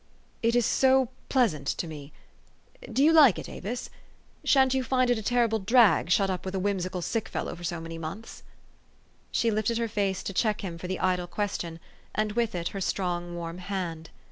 "It is so pleasant to me. Do you like it, Avis ? Sha'n't you find it a terrible drag, shut up with a whimsical sick fellow for so many months? " She lifted her face to check him for the idle ques tion, and with it her strong, warm hand.